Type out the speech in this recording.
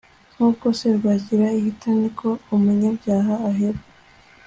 Nk uko serwakira ihita ni ko umunyabyaha ahera